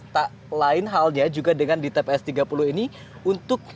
tak lain halnya juga dengan di tps tiga puluh ini untuk